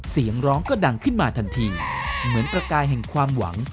เสียงร้องก็ดังขึ้นมาทันทีเหมือนประกายแห่งความหวัง